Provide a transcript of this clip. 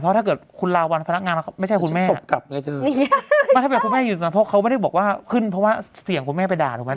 ถ้าเกิดคุณลาวัลพนักงานมาไม่ใช่คุณแม่อยู่ตรงนั้นเพราะเขาไม่ได้บอกว่าขึ้นเพราะว่าเสียงคุณแม่ไปด่าถูกไหม